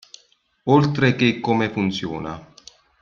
Oltre che come funziona.